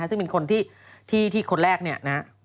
ซึ่งเป็นคนที่คนแรกนะฮะ